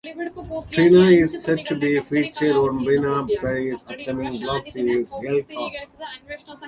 Trina is set to be featured on Brianna Perry's upcoming vlog series, "Girl Talk".